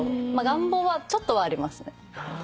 願望はちょっとはありますね。